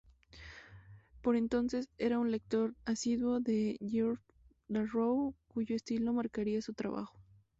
Por entonces, era un lector asiduo de Geoff Darrow, cuyo estilo marcaría su trabajo.